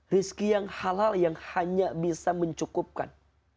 rizki yang halal yang hanya bisa mencukupkan